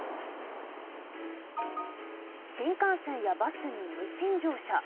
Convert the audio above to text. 新幹線やバスに無賃乗車。